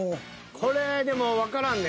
これでもわからんで。